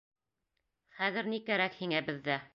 Хәҙер ни кәрәк һиңә беҙҙә?